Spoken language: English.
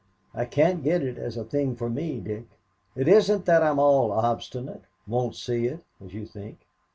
I can't get it as a thing for me, Dick. It isn't that I am all obstinate won't see it as you think.